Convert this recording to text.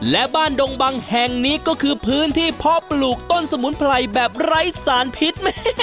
และบ้านดงบังแห่งนี้ก็คือพื้นที่เพาะปลูกต้นสมุนไพรแบบไร้สารพิษ